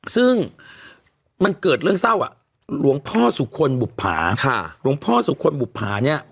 ซึ่งมันเกิดเรื่องเศร้าอ่ะหลวงพ่อสุคลบุภาหลวงพ่อสุคลบุภาเนี่ย